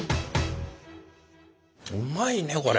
うまいねこれ。